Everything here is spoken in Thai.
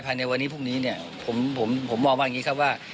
ในวันนี้พรุ่งนี้เนี่ยผมมองว่าอย่างนี้ครับว่า